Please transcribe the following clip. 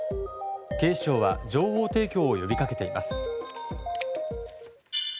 警視庁は情報提供を呼びかけています。